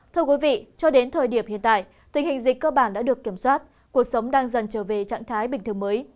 thưa quý vị cho đến thời điểm hiện tại tình hình dịch cơ bản đã được kiểm soát cuộc sống đang dần trở về trạng thái bình thường mới